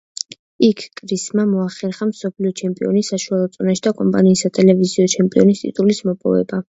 იქ კრისმა მოახერხა მსოფლიო ჩემპიონის საშუალო წონაში და კომპანიის სატელევიზიო ჩემპიონის ტიტულის მოპოვება.